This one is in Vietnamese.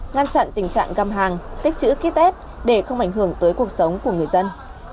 ngăn chặn tình trạng găm hàng tích chữ ký test để không ảnh hưởng tới cuộc sống của người dân